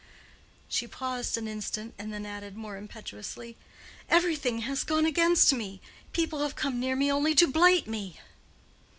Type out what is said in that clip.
She paused an instant and then added more impetuously, "Everything has gone against me. People have come near me only to blight me."